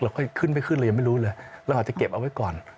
ค่อยขึ้นไม่ขึ้นเรายังไม่รู้เลยเราอาจจะเก็บเอาไว้ก่อน